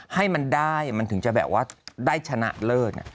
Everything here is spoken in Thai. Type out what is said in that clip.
ให้มันได้มันถึงจะแบบว่าได้ชนะเลิศ